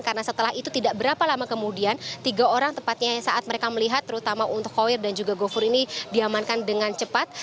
karena setelah itu tidak berapa lama kemudian tiga orang tepatnya saat mereka melihat terutama untuk hoir dan juga gofur ini diamankan dengan cepat